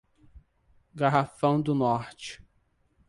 Garrafão do Norte